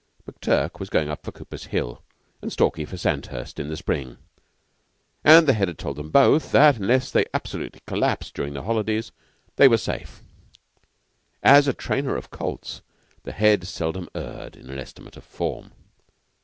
McTurk was going up for Cooper's Hill, and Stalky for Sandhurst, in the spring; and the Head had told them both that, unless they absolutely collapsed during the holidays, they were safe. As a trainer of colts, the Head seldom erred in an estimate of form.